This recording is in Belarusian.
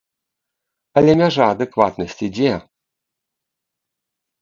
Але мяжа адэкватнасці дзе?